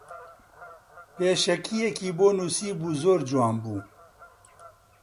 پێشەکییەکی بۆ نووسیبوو زۆر جوان بوو